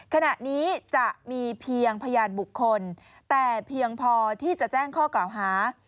ขณะนี้จะมีเพียงพยานบุคคลแต่เพียงพอที่จะแจ้งข้อกล่าวหา